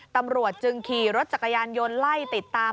ตำรวจจึงขี่รถจักรยานยนต์ไล่ติดตาม